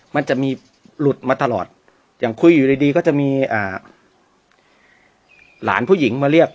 มันจะมีหลุดมาตลอดอย่างคุยอยู่ดีก็จะมีหลานผู้หญิงมาเรียก